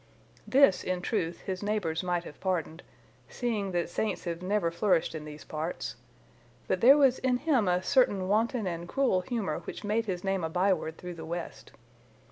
This, in truth, his neighbours might have pardoned, seeing that saints have never flourished in those parts, but there was in him a certain wanton and cruel humour which made his name a by word through the West.